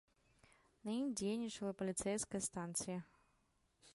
На ім дзейнічала паліцэйская станцыя.